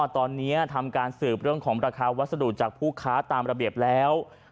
ตอนนี้ทำการสืบเรื่องของราคาวัสดุจากผู้ค้าตามระเบียบแล้ว